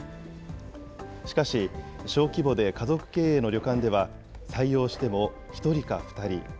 しかし、小規模で家族経営の旅館では、採用しても１人か２人。